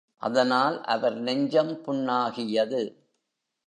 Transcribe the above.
அதனால் அவர் நெஞ்சம் புண்ணாகியது.